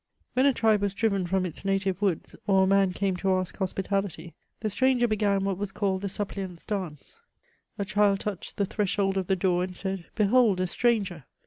When a tribe was driven firom its native woods, or a man came to ask hospitality, the stranger began what was called the sup pliant's dance ; a child touched the threshold of the door and said, " Behold! a stranger!